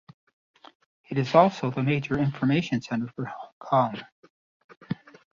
It is also the major information centre for Hong Kong.